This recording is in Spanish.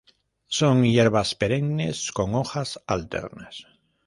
Son hierbas perennes con hojas alternas.